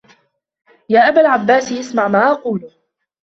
يَا أَبَا الْعَبَّاسِ اسْمَعْ مَا أَقُولُ